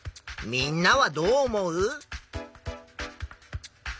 みんなはどう思う？